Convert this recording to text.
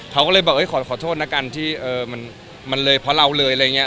เขาก็เลยบอกขอโทษนะกันที่มันเลยเพราะเราเลยอะไรอย่างนี้